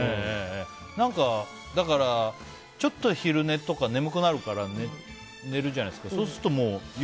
だから、ちょっと昼寝とか眠くなるから寝るじゃないですか。